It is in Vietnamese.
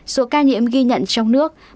số ca nhiễm ghi nhận trong nước